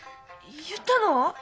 言ったの？